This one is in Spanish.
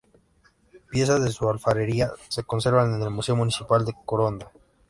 Piezas de su alfarería se conservan en el Museo Municipal de Coronda.